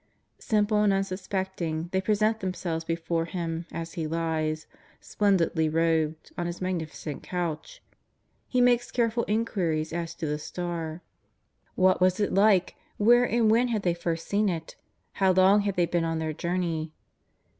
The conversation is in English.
Simple and un suspecting, they present themselves before him as he lies, splendidly robed, on his magnificent couch. He makes careful inquiries as to the star :^^ What was it like ? When and where had they first seen it ? How long had they been on their journey